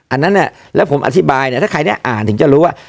อันนั้นเนี่ยแล้วผมอธิบายเนี่ยถ้าใครได้อ่านถึงจะรู้ว่า